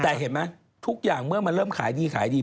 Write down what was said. แต่เห็นไหมทุกอย่างเมื่อมันเริ่มขายดีขายดี